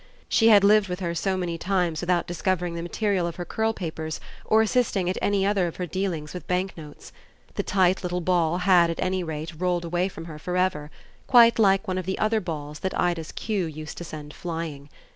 She had lived with her so many times without discovering the material of her curl papers or assisting at any other of her dealings with banknotes. The tight little ball had at any rate rolled away from her for ever quite like one of the other balls that Ida's cue used to send flying.